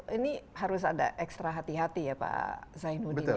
ini harus ada ekstra hati hati ya pak zainuddin